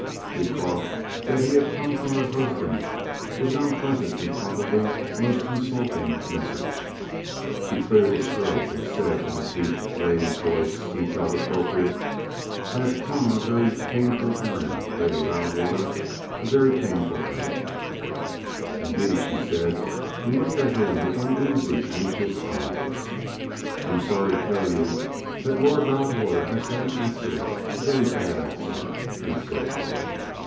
She thought that he had come from her husband with an unpleasant and probably most insulting message. He cleared his throat and said in the deep, grave voice he felt appropriate: "I've come on a very painful errand, Lady Loudwater a very painful errand." "Indeed?" she said, and looked at him with uneasy, anxious eyes. "I'm sorry to tell you that Lord Loudwater has had an accident, a very bad accident," he said.